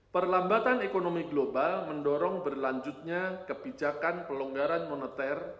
perlambatan ekonomi global mendorong berlanjutnya kebijakan pelonggaran moneter